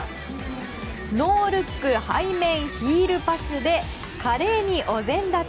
ノールック背面ヒールパスで華麗におぜん立て。